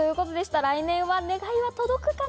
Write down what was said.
来年は願いは届くかな？